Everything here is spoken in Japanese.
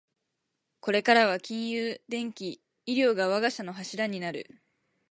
これからは金融、電機、医療が我が社の柱になる